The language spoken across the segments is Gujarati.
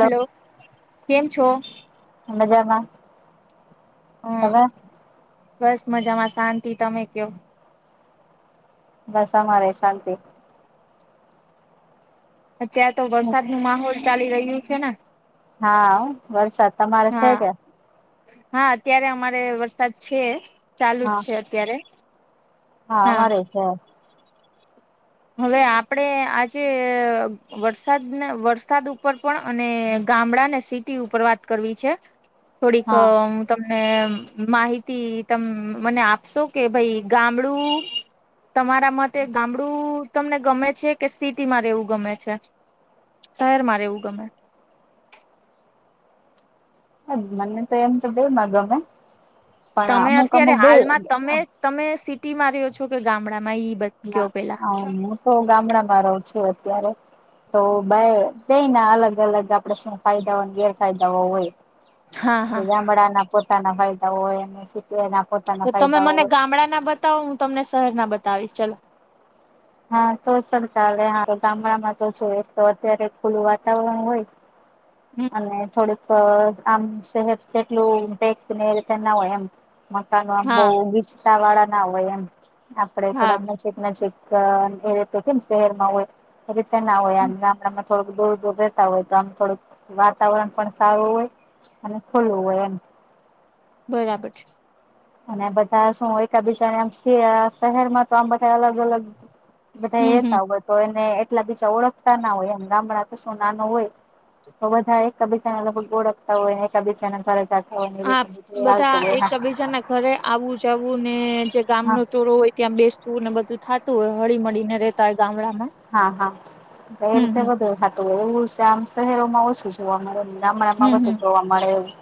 હલો કેમ છો, મજામાં હમ તમે બસ મજામાં, શાંતિ તમે કયો? બસ અમારે શાંતિ ત્યાં તો વરસાદનુ માહોલ ચાલી રહ્યું છે ને, હા વરસાદ તમારે છે હા કે હા અત્યારે અમારે વરસાદ છે, ચાલુ જ હા છે અત્યારે હા અમારે હા હવે આપડે આજે વરસાદ વરસાદ ઉપર પણ અને ગામડાને, સિટી ઉપર વાત કરવી છે, થોડીક હા તમને માહિતી તમે મને આપશો કે ભઈ ગામડું, તમારા મતે ગામડું, તમને ગમે છે કે સિટીમાં રહેવું ગમે છે, શહેરમાં રહેવું ગમે. હા મને તો એમ તો બે માં ગમે, પણ તમે અમુક અત્યારે અમુક બે હાલમાં તમે તમે સિટીમાં રહ્યો છો કે ગામડામાં ઈ બ ના કયો પેલા હું તો ગામડામાં રહું છું અત્યારે, તો બે કઈને અલગ અલગ આપડે શું ગેરફાયદાઓ અને ગેરફાયદાઓ હોય. હા હા ગામડાના પોતાના ફાયદા હોય, અને સિટીના પોતા તો તમે મને ગામડાના બતાવો, હું તમને શહેરના બતાવીશ ચલો હા તોય પણ ચાલે હારું ગામડામાં તો જો એક તો અત્યારે ખુલ્લું વાતાવરણ હોય [inaudible] અને થોડુંક આમ શહેર જેટલું પેકને એ રિતે ના હોય એમ મકાનો આમ બહુ હા ગીચતાવાળા ના હોય એમ, આપડે હા થોડાક નજીક નજીક ત એ રીતે કેમ શહેરમાં હોય એ રીતે ના હોય આમ ગામડામાં થોડુંક દૂર દૂર રહેતા હોય તો આમ થોડુંક વાતાવરણ પણ સારું હોય અને ખુલ્લું હોય એમ બરાબર અને બધા શું એક બીજાને આ શહેરમાં તો આમ બધા અલગ અલગ બધા હમ હમ રેતા હોય તો એને એટલા બીજા ઓળખતા ના હોય, એમ ગામડા તો શું નાનું હોય. તો બધા એકબીજાના લગભગ ઓળખતા હોય ને, એક બીજા ફરાતા હા હોય બધા હાલતું હોય એકબીજાના ઘરે આવું જાવું ને જે ગામ હા નો ચોરો હોય ત્યાં બેસતું ને બધું થા તું હોય હળી મળીને રેતા હોય ગામડા માં હા હા એ રીતે બધું થાતું હોય એવું આમ શહેરમાં ઓછું જોવા મળે ગામડામાં હમ બધુ હમ જોવા મળે એવું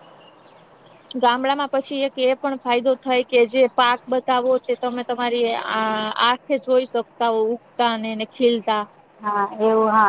ગામડામાં પછી એક એ પણ ફાયદો થાય કે જે પાક બતાવો તે તમે તમારી આ આ ખે જોઈ શકતા હો ઉગતા અને એને ખીલતા હા એવુ હા